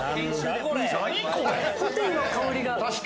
ホテルの香りが。